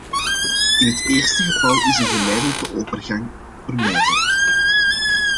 In het eerste geval is een geleidelijke overgang onvermijdelijk.